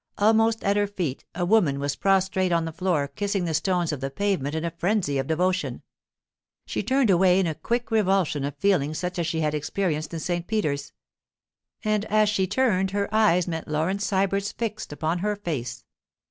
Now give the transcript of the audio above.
Almost at her feet a woman was prostrate on the floor, kissing the stones of the pavement in a frenzy of devotion. She turned away in a quick revulsion of feeling such as she had experienced in St. Peter's. And as she turned her eyes met Laurence Sybert's fixed upon her face.